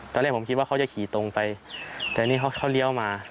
ตอนแรกผมคิดว่าเขาจะขี่ตรงไปแต่นี่เขาเลี้ยวมา